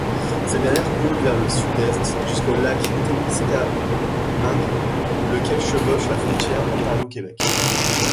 Cette dernière coule vers le Sud-Est jusqu’au lac Témiscamingue, lequel chevauche la frontière Ontario-Québec.